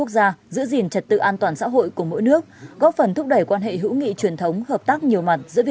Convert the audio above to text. và phát triển mạnh mẽ trong thời gian tới